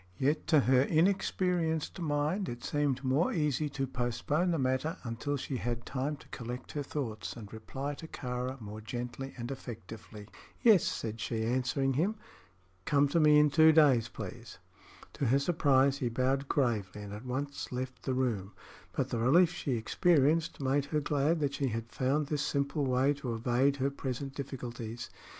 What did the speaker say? Yet to her inexperienced mind it seemed more easy to postpone the matter until she had time to collect her thoughts and reply to Kāra more gently and effectively. "Yes," said she, answering him; "come to me in two days, please." To her surprise he bowed gravely and at once left the room; but the relief she experienced made her glad that she had found this simple way to evade her present difficulties.